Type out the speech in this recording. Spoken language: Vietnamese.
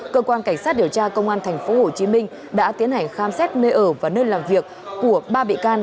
cơ quan cảnh sát điều tra công an tp hcm đã tiến hành khám xét nơi ở và nơi làm việc của ba bị can